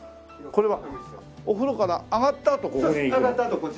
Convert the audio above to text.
これはお風呂から上がったあとここに行くの？